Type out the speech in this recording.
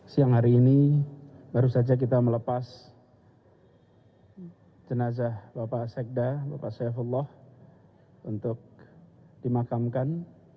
siang hari ini baru saja kita melepas jenazah bapak sekda bapak saifullah untuk dimakamkan